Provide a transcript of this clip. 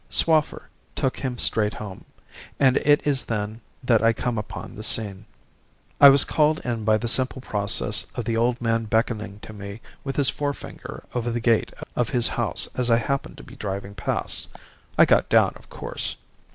Swaffer took him straight home. And it is then that I come upon the scene. "I was called in by the simple process of the old man beckoning to me with his forefinger over the gate of his house as I happened to be driving past. I got down, of course.